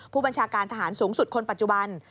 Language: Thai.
ผู้บัญชาการทหารสูงสุดคนปัจจุบัน